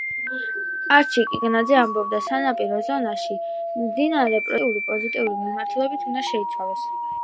არჩილ კიკნაძე ამბობდა: სანაპირო ზონაში მიმდინარე პროცესები ნაცვლად ნეგატიური, პოზიტიური მიმართულებით უნდა შეიცვალოს.